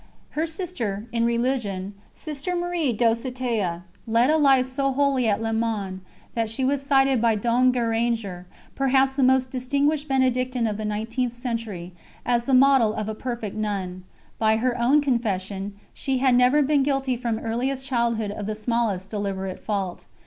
Her sister in religion, Sister Marie Dosithea led a life so holy at Le Mans that she was cited by Dom Guéranger, perhaps the most distinguished Benedictine of the nineteenth century, as the model of a perfect nun. By her own confession, she had never been guilty from earliest childhood of the smallest deliberate fault.